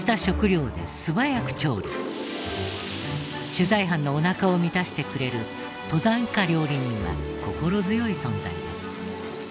取材班のおなかを満たしてくれる登山家料理人は心強い存在です。